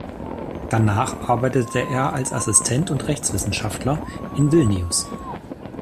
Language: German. Danach arbeitete er als Assistent und Rechtswissenschaftler in Vilnius.